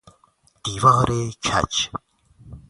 دیوار کج